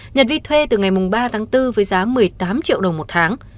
nhật vi thuê từ ngày ba tháng bốn với giá một mươi tám triệu đồng một tháng